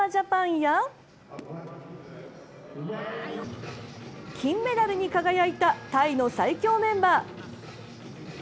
や金メダルに輝いたタイの最強メンバー。